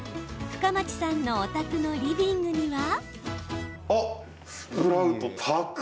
深町さんのお宅のリビングには。